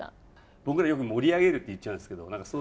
ぼくらよく盛り上げるといっちゃうんですけども。